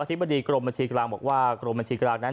ธิบดีกรมบัญชีกลางบอกว่ากรมบัญชีกลางนั้น